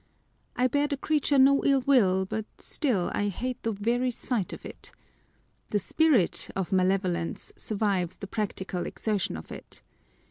I bear the creature no illwill, but still 1 hate the very sight of it. The spirit of malevolence survives the practical exertion of it.